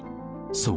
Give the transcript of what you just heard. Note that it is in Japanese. ［そう。